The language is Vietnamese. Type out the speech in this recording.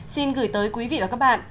xin gửi tới quý vị và các bạn